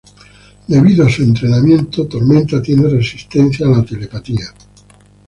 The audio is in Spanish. Debido a su entrenamiento, Tormenta tiene resistencia a la telepatía.